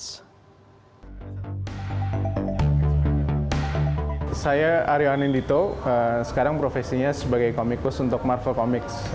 saya aryo anindito sekarang profesinya sebagai komikus untuk marvel comics